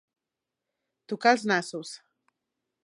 Tocar els nassos.